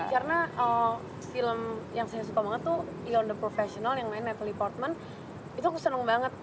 karena film yang saya suka banget itu the professional yang main natalie portman itu aku seneng banget